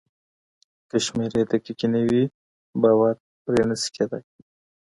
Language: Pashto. که شمېرې دقيقې نه وي باور پرې نسي کيدای.